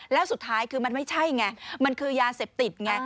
แล้วสุดท้ายคือมันไม่ใช่ไงมันคือยาเสพติดไง